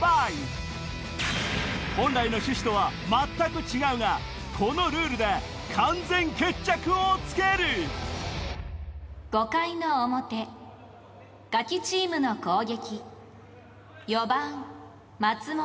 本来の趣旨とは全く違うがこのルールで５回の表ガキチームの攻撃４番松本。